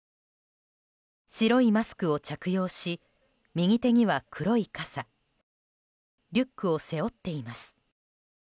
白いマスクを着用し右手には黒い傘リュックを背負っています。